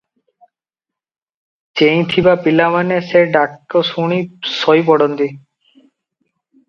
ଚେଇଁଥିବା ପିଲା ମାନେ ସେ ଡାକଶୁଣି ଶୋଇପଡ଼ନ୍ତି ।